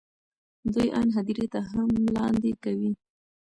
دوی آن هدیرې هم لاندې کوي.